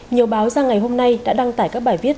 nhiều báo ra ngày hôm nay đã đăng tải các bài viết